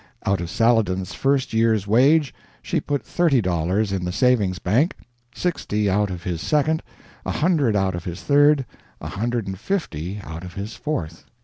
Out of Saladin's first year's wage she put thirty dollars in the savings bank, sixty out of his second, a hundred out of his third, a hundred and fifty out of his fourth.